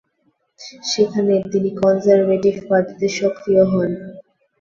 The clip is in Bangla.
সেখানে, তিনি কনজারভেটিভ পার্টিতে সক্রিয় হন।